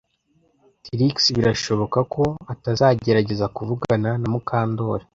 Trix birashoboka ko atazagerageza kuvugana na Mukandoli